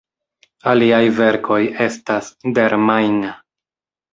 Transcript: Aliaj verkoj estas: "Der Main.